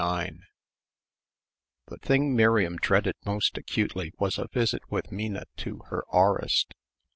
9 The thing Miriam dreaded most acutely was a visit with Minna to her aurist.